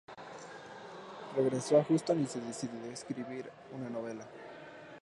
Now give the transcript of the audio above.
Regreso a Huston y decidió escribir una novela.